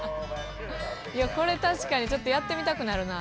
これ確かにちょっとやってみたくなるな。